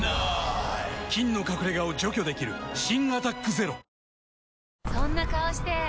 菌の隠れ家を除去できる新「アタックＺＥＲＯ」そんな顔して！